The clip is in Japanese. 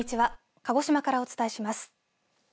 鹿児島からお伝えします。